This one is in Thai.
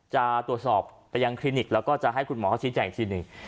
จะตรวจสอบไปยังคลินิกแล้วก็จะให้คุณหมอเขาชี้แจงอีกทีหนึ่ง